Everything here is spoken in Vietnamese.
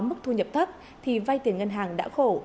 nếu người dân lao động có mức thu nhập thấp thì vay tiền ngân hàng đã khổ